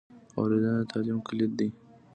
اورېدنه د تعلیم کلید دی.